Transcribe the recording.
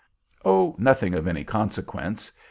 "Oh, nothing of any consequence.